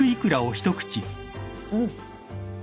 うん。